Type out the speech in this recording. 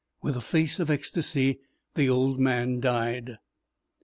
With a face of ecstasy the old man died.